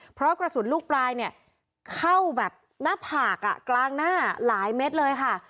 เพราะกระสุนลูกปลายเนี่ยเข้าแบบหน้าผากกลางหน้าหลายเม็ดเลยค่ะ